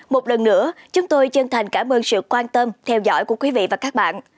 một lần nữa chúng tôi chân thành cảm ơn sự quan tâm theo dõi của quý vị và các bạn